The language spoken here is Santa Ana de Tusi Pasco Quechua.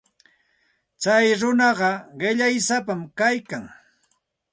Tsay runaqa qillaysapam kaykan.